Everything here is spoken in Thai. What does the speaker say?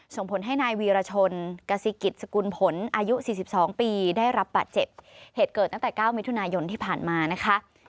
ส่งผลให้นายวีรชนกษิกิจสกุลผลอายุสี่สิบสองปีได้รับบาดเจ็บเหตุเกิดตั้งแต่เก้ามิถุนายนที่ผ่านมานะคะ